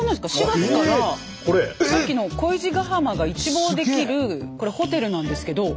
４月からさっきの恋路ヶ浜が一望できるこれホテルなんですけど。